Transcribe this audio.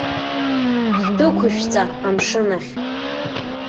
Ҳдәықәышәҵа амшын ахь.